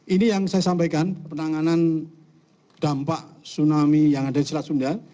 ini yang saya sampaikan penanganan dampak tsunami yang ada di selat sunda